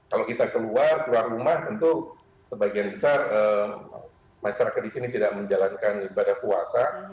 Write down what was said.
kalau kita keluar keluar rumah tentu sebagian besar masyarakat di sini tidak menjalankan ibadah puasa